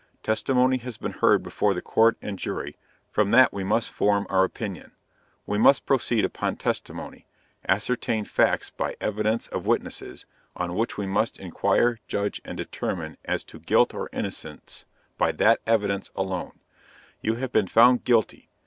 Testimony has been heard before the Court and Jury from that we must form our opinion. We must proceed upon testimony, ascertain facts by evidence of witnesses, on which we must inquire, judge and determine as to guilt or innocence, by that evidence alone. You have been found guilty.